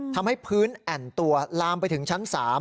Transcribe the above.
ทำให้พื้นแอ่นตัวลามไปถึงชั้น๓